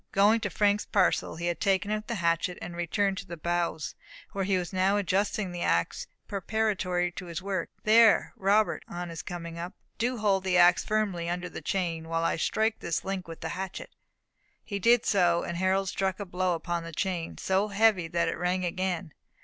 Going to Frank's parcel, he had taken out the hatchet, and returned to the bows, where he was now adjusting the ax, preparatory to his work. "There, Robert," on his coming up, "do you hold the ax firmly under the chain, while I strike this link with the hatchet." He did so, and Harold struck a blow upon the chain, so heavy that it rang again.